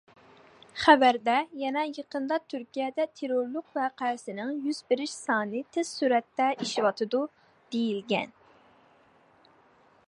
خەۋەردە يەنە يېقىندا تۈركىيەدە تېررورلۇق ۋەقەسىنىڭ يۈز بېرىش سانى تېز سۈرئەتتە ئېشىۋاتىدۇ، دېيىلگەن.